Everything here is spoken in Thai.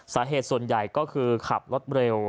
สาเหตุส่วนใหญ่ก็คือขับรถเร็ว